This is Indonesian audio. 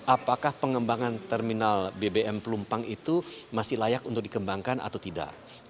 apakah pengembangan terminal bbm pelumpang itu masih layak untuk dikembangkan atau tidak